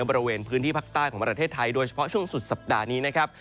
บริเวณพื้นที่ภาคใต้ของประเทศไทยโดยเฉพาะช่วงสุดสัปดาห์นี้นะครับ